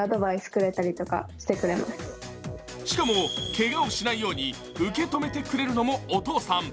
しかも、けがをしないように受け止めてくれるのもお父さん。